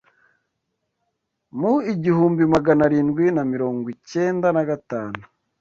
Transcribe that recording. Mu igihumbi Maganarindwi na mirongwicyenda na gatanu